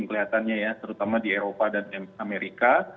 kelihatannya ya terutama di eropa dan amerika